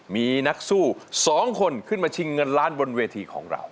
มีนักสู้๒คนขึ้นมาชิงเงินล้านบนเวทีของเรา